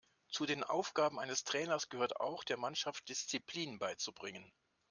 Zu den Aufgaben eines Trainers gehört auch, der Mannschaft Disziplin beizubringen.